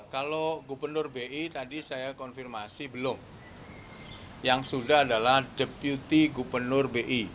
kalau gubernur bi tadi saya konfirmasi belum yang sudah adalah deputi gubernur bi